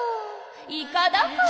イカだから。